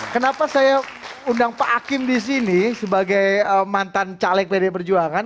kenapa saya undang pak hakim di sini sebagai mantan caleg pd perjuangan